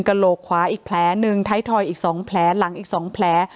กระโหลกขวาอีกแผลหนึ่งไททอยอีกสองแผลหลังอีกสองแผล